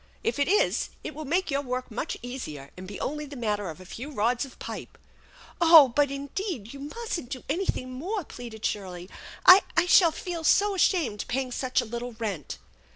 If it is it will make your work much easier and be only the matter of a few rods of pipe." " Oh, but, indeed, you mustn't do anything more !" pleaded Shirley. " I shall feel so ashamed paying such a little rent."